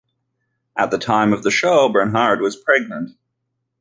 At that time of the show Bernhard was pregnant.